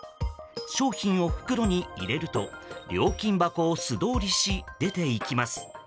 商品を袋に入れると料金箱を素通りし出ていきます。